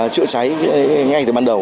chữa cháy ngay từ ban đầu